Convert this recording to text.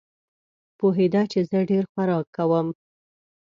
پوهېده چې زه ډېر خوراک کوم.